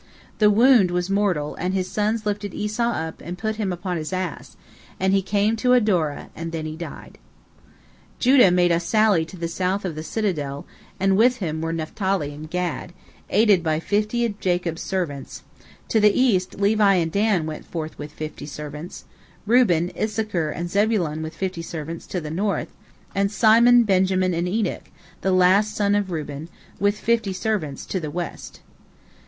The wound was mortal, and his sons lifted Esau up and put him upon his ass, and he came to Adora, and there he died. Judah made a sally to the south of the citadel, and with him were Naphtali and Gad, aided by fifty of Jacob's servants; to the east Levi and Dan went forth with fifty servants; Reuben, Issachar, and Zebulon with fifty servants, to the north; and Simon, Benjamin, and Enoch, the last the son of Reuben, with fifty servants, to the west.